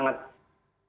jangan terlalu banyak